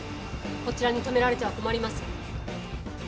こちらに停められては困ります。